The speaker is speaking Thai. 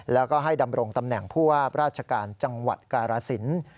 แล้วก็ให้ดำรงตำแหน่งผู้ว่าราชการจังหวัดกาลสิน